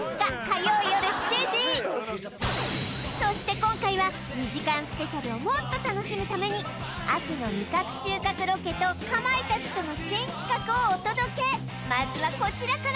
そして今回は２時間スペシャルをもっと楽しむために秋の味覚収穫ロケとかまいたちとの新企画をお届けまずはこちらから！